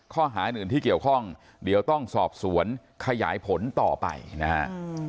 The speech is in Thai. ข้อหาอื่นที่เกี่ยวข้องเดี๋ยวต้องสอบสวนขยายผลต่อไปนะฮะ